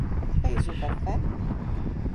Fez o café?